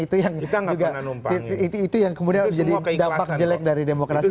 itu yang kemudian jadi dampak jelek dari demokrasi